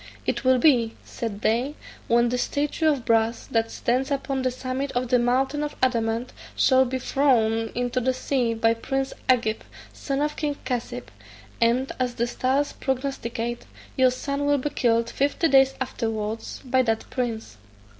It will be' (said they) 'when the statue of brass, that stands upon the summit of the mountain of adamant, shall be thrown into the sea by prince Agib, son of king Cassib; and, as the stars prognosticate, your son will be killed fifty days afterwards by that prince.'